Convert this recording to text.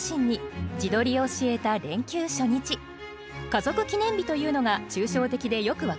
「家族記念日」というのが抽象的でよく分かりません。